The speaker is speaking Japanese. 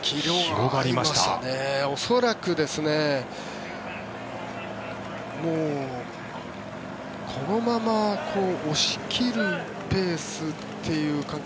恐らく、このまま押し切るペースという感覚。